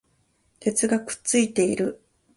鉄がくっついている